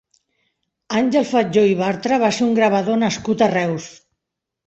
Àngel Fatjó i Bartra va ser un gravador nascut a Reus.